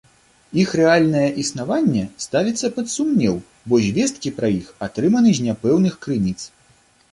Іх рэальнае існаванне ставіцца пад сумнеў, бо звесткі пра іх атрыманы з няпэўных крыніц.